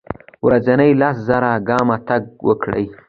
د ورځي لس زره ګامه تګ وکړئ.